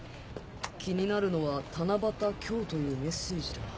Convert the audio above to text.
気になるのは「たなばたきょう」というメッセージだ